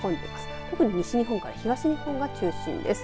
特に西日本から東日本が中心です。